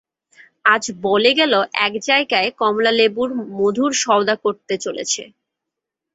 আজ বলে গেল, এক জায়গায় কমলালেবুর মধুর সওদা করতে চলেছে।